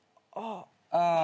ああ。